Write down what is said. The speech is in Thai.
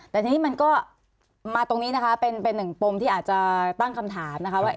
แต่ทีนี้มันก็มาตรงนี้นะคะเป็นหนึ่งปมที่อาจจะตั้งคำถามนะคะว่า